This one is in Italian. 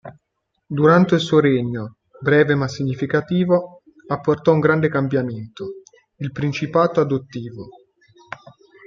Durante il suo regno, breve ma significativo, apportò un grande cambiamento: il "principato adottivo".